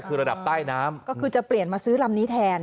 คือระดับใต้น้ำก็คือจะเปลี่ยนมาซื้อลำนี้แทน